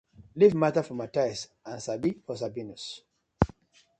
Leave mata for Mathias and Sabi for Sabinus: